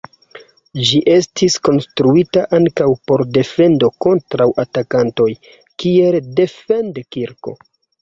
Ĝi estis konstruita ankaŭ por defendo kontraŭ atakantoj, kiel defend-kirko.